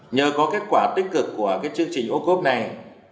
nhờ có kết quả tích cực của chương trình ocop này